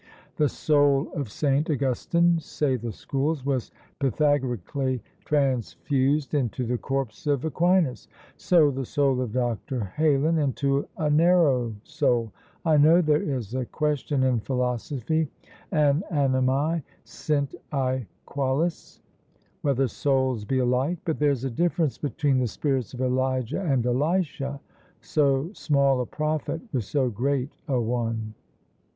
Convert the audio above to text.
The soul of St. Augustin (say the schools) was Pythagorically transfused into the corpse of Aquinas; so the soul of Dr. Heylin into a narrow soul. I know there is a question in philosophy, An animæ sint oequales? whether souls be alike? But there's a difference between the spirits of Elijah and Elisha: so small a prophet with so great a one!"